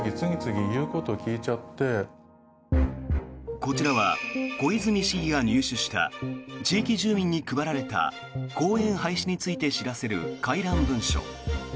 こちらは小泉市議が入手した地域住民に配られた公園廃止について知らせる回覧文書。